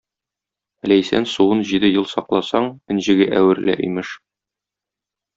Ләйсән суын җиде ел сакласаң, энҗегә әверелә, имеш.